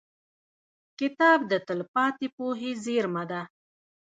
• کتاب د تلپاتې پوهې زېرمه ده.